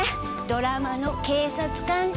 ドラマの警察監修。